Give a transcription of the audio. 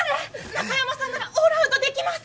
中山さんならオールアウトできます！